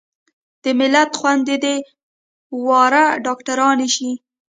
د ملت خويندې دې واړه ډاکترانې شي